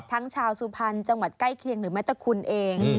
ชาวสุพรรณจังหวัดใกล้เคียงหรือแม้แต่คุณเอง